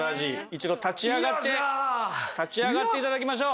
一度立ち上がって立ち上がって頂きましょう。